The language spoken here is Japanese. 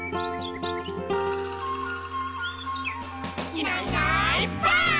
「いないいないばあっ！」